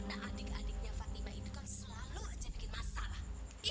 adik adik fatima juga akan tinggal sama kami